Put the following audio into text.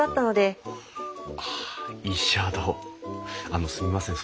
あのすみません